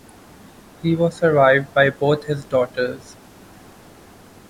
He was survived by both his daughters.